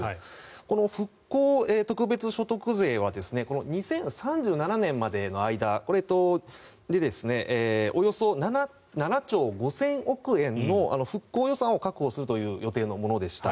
この復興特別所得税は２０３７年までの間およそ７兆５０００億円の復興予算を確保するという予定のものでした。